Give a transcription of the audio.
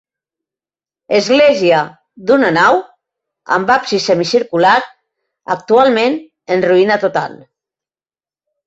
Església d'una nau amb absis semicircular, actualment en ruïna total.